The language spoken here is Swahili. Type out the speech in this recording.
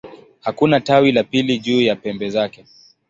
Hakuna tawi la pili juu ya pembe zake.